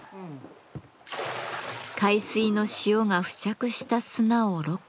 海水の塩が付着した砂をろ過。